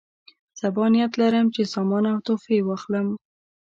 سبا نیت لرم چې سامان او تحفې واخلم.